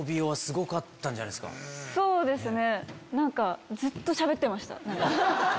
そうですね。